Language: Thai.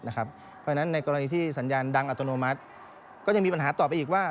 เพราะฉะนั้นในกรณีที่สัญญาณดังอัตโนมัติก็ยังมีปัญหาต่อไปอีกว่า